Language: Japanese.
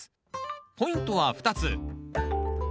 ポイントは２つ。